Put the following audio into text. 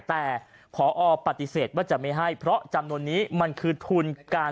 แต่พอปฏิเสธว่าจะไม่ให้เพราะจำนวนนี้มันคือทุนการ